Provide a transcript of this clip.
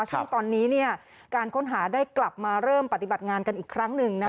ซึ่งตอนนี้การค้นหาได้กลับมาเริ่มปฏิบัติงานกันอีกครั้งหนึ่ง